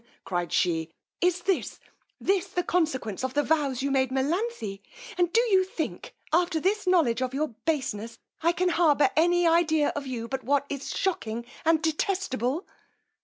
cried she, is this, this the consequence of the vows you made Melanthe; and do you think, after this knowledge of your baseness, I can harbour any idea of you, but what is shocking and detestable!